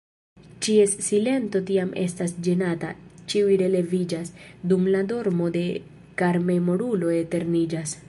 Ĉies silento tiam estas ĝenata; Ĉiuj releviĝas, dum la dormo de karmemorulo eterniĝas.